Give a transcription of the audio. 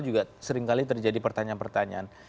juga seringkali terjadi pertanyaan pertanyaan